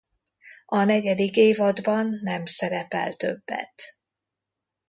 A negyedik évadban nem szerepel többet.